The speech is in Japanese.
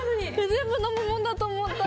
全部飲むものだと思った。